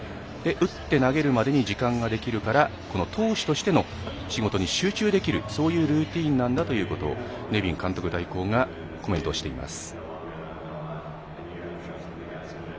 打って投げるまでに時間ができるから投手としての仕事に集中できるそういうルーティンだとネビン監督代行コメントしています。